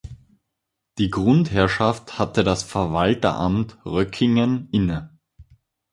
Die Grundherrschaft hatte das Verwalteramt Röckingen inne.